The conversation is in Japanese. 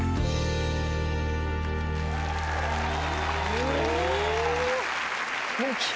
お！